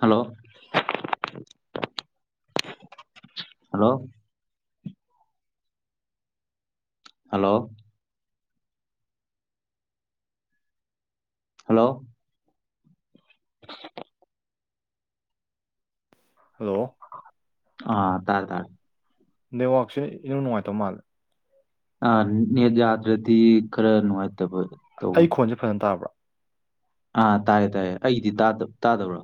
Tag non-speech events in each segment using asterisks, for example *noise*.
hello hello hello hello hello ꯑꯥ ꯇꯥꯔꯦ ꯇꯥꯔꯦ ꯅꯦꯋꯥꯛꯁꯦ ꯏꯅꯨꯡ ꯅꯨꯡꯉꯥꯏꯇꯥ ꯃꯥꯜꯂꯦ ꯥꯑꯥ ꯅꯦꯠ ꯌꯥꯗ꯭ꯔꯥꯗꯤ ꯈꯔ ꯅꯨꯡꯉꯥꯏꯇꯕ ꯑꯩ ꯇꯧꯕꯅꯦ ꯈꯣꯟꯖꯦ ꯐꯖꯟ ꯇꯥꯕ꯭ꯔꯣ ꯑꯥ ꯇꯥꯌꯦ ꯇꯥꯏꯌꯦ ꯑꯩꯒꯤꯗꯤ ꯇꯥꯗ ꯇꯥꯗꯕ꯭ꯔꯣ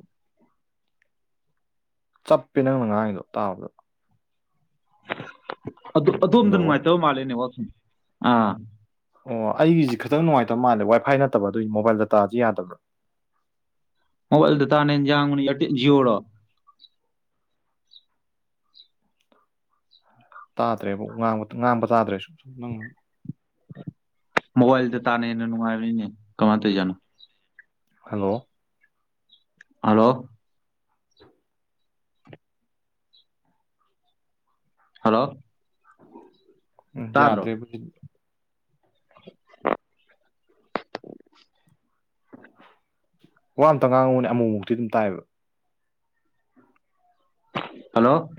ꯆꯞꯄꯦ ꯅꯪꯅ ꯉꯥꯡꯉꯤꯗꯣ ꯇꯥꯕꯗ ꯑꯗꯣ ꯑꯗꯣꯝꯗ ꯍꯜꯂꯣ ꯅꯨꯡꯉꯥꯏꯇꯕ ꯃꯥꯜꯂꯦ ꯅꯦꯋꯥꯛꯁꯤꯡ ꯑꯥ ꯑꯣ ꯑꯩꯒꯤꯖꯤ ꯈꯤꯇꯪ ꯅꯨꯡꯉꯥꯏꯇꯕ ꯃꯥꯜꯂꯦ ꯋꯥꯏ ꯐꯥꯏ ꯅꯠꯇꯕ ꯑꯗꯨꯒꯤ ꯃꯣꯕꯥꯏꯜ ꯗꯇꯥꯖꯤ ꯌꯥꯗꯕ ꯃꯣꯕꯥꯏꯜ ꯗꯥꯇꯥꯅꯦ ꯍꯦꯟ ꯌꯥꯥꯡꯕꯅꯤ ꯏꯌꯔꯇꯦꯜ ꯖꯤꯑꯣꯔꯣ ꯇꯥꯗ꯭ꯔꯦꯕꯣ ꯉꯥꯡꯕ ꯉꯥꯡꯕ ꯇꯥꯗ꯭ꯔꯦ ꯁꯨ ꯁꯨꯝ ꯅꯪ ꯃꯣꯕꯥꯏꯜ ꯗꯥꯇꯥꯅ ꯍꯦꯟꯅ ꯅꯨꯡꯉꯥꯏꯕꯅꯤꯅꯦ ꯀꯃꯥ ꯇꯩꯖꯅꯣ ꯍꯜꯂꯣ ꯍꯂꯣ ꯍꯜꯂꯣ ꯎꯝ ꯇꯥꯗ꯭ꯔꯣ ꯌꯥꯗ꯭ꯔꯦꯕꯨ ꯁꯤꯗꯤ *inaudible* ꯋꯥ ꯑꯝꯇ ꯉꯥꯡꯉꯨꯅꯦ ꯑꯃꯨꯛꯃꯨꯛꯇꯤ ꯑꯗꯨꯝ ꯇꯥꯏꯑꯦꯕ ꯍꯜꯂꯣ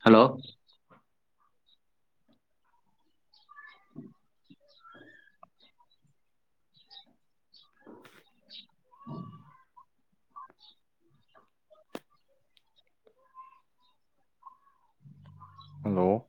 ꯍꯜꯂꯣ *inaudible* ꯎ *inaudible* ꯍꯜꯂꯣ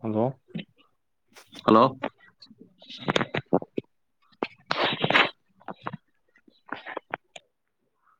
ꯍꯜꯂꯣ ꯍꯜꯂꯣ